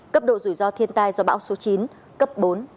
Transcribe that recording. cấp độ rủi ro thiên tai do bão số chín cấp bốn